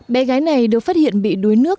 bé gái này được phát hiện bị đuối nước